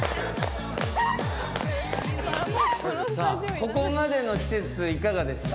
ここまでの施設、いかがでした？